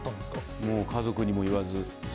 もう家族にも言わず。